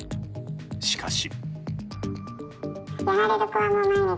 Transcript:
しかし。